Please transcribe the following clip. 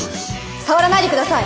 触らないでください！